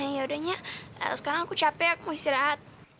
ya udahnya sekarang aku capek mau istirahat